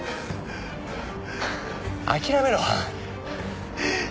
諦めろ。